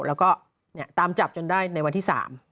แล้วก็ตามจับจนได้ในวันที่๓